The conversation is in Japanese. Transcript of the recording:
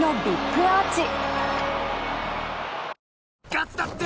ガスだって！